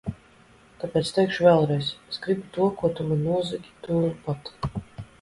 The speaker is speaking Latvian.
Tāpēc teikšu vēlreiz, es gribu to, ko tu man nozagi, tūliņ pat!